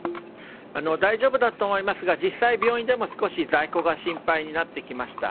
大丈夫だと思いますが実際、病院でも少し在庫が心配になってきました。